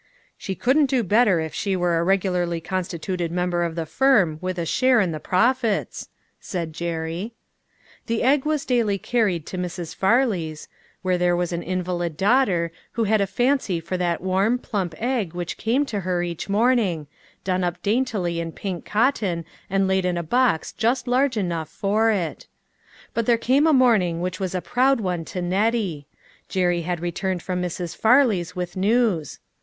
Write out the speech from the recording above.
" She couldn't do better if she were a regu larly constituted member of the firm with a share in the profits," said Jerry. The egg was daily carried to Mrs. Farley's, where there was an invalid daughter, who had a fancy for that warm, plump egg which came to her each morning, done up daintily in pink 388 LITTLE FISHERS : AND THEIR NETS. cotton, and laid in a box just large enough for it. But there came a morning which was a proud one to Nettie. Jerry had returned from Mrs. Farley's with news.